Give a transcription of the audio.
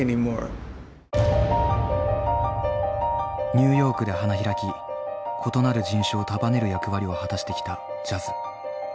ニューヨークで花開き異なる人種を束ねる役割を果たしてきたジャズ。